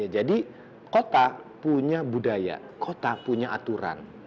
jadi kota punya budaya kota punya aturan